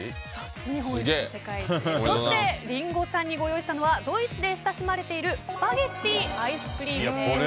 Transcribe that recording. そしてリンゴさんにご用意したのはドイツで親しまれているスパゲッティアイスクリームです。